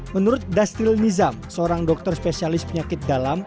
menurut dastil nizam seorang dokter spesialis penyakit dalam